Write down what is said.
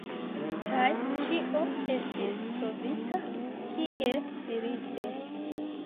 Kaj ĉio estis trovita, kiel dirite.